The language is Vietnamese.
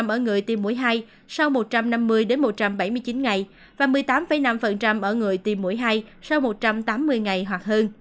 một mươi ba ở người tiêm mũi hai sau một trăm năm mươi đến một trăm bảy mươi chín ngày và một mươi tám năm ở người tiêm mũi hai sau một trăm tám mươi ngày hoặc hơn